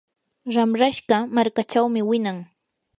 ramrashqa markaachawmi winan.